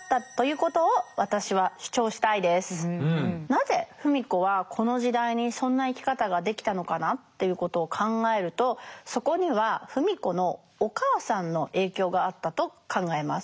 なぜ芙美子はこの時代にそんな生き方ができたのかなということを考えるとそこには芙美子のお母さんの影響があったと考えます。